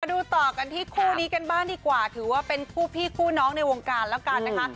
ดูต่อกันที่คู่นี้กันบ้างดีกว่าถือว่าเป็นคู่พี่คู่น้องในวงการแล้วกันนะคะ